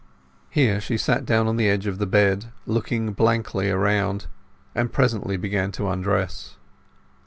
Here she sat down on the edge of the bed, looking blankly around, and presently began to undress.